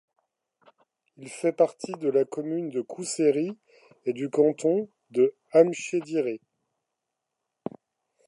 Il fait partie de la commune de Kousséri et du canton de Amchédiré.